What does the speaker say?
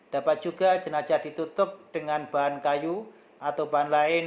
dapat juga jenajah ditutup dengan bahan kayu atau bahan lain